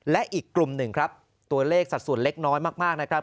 และอีกกลุ่มหนึ่งครับตัวเลขสัดส่วนเล็กน้อยมากนะครับ